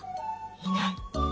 いない。